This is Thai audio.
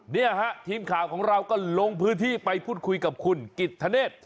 เนี่ยฮะทีมข่าวของเราก็ลงพื้นที่ไปพูดคุยกับคุณกิจธเนธ